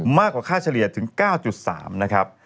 มากกว่าค่าเฉลี่ยถึง๙๓นะครับ